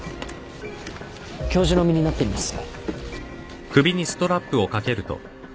教授の身になってみます。